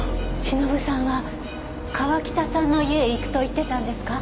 忍さんは川喜多さんの家へ行くと言ってたんですか？